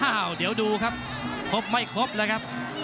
เดี๋ยวดูครับครบไม่ครบแล้วครับ